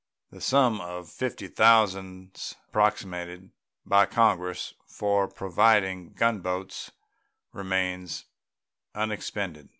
The sum of $50 thousands appropriated by Congress for providing gun boats remains unexpended.